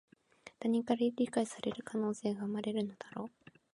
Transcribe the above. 他人から理解される可能性が生まれるのだろう